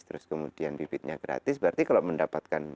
terus kemudian bibitnya gratis berarti kalau mendapatkan